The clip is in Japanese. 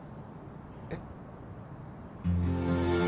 えっ？